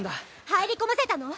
入り込ませたの？